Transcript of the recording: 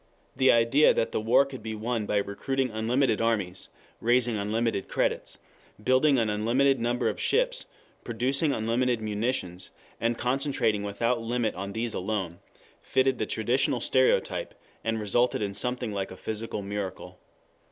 The idea that the war could be won by recruiting unlimited armies, raising unlimited credits, building an unlimited number of ships, producing unlimited munitions, and concentrating without limit on these alone, fitted the traditional stereotype, and resulted in something like a physical miracle.